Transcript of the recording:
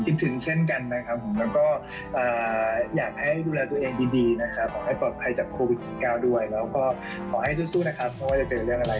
คิดถึงเช่นกันนะครับผมแล้วก็อยากให้ดูแลตัวเองดีนะครับ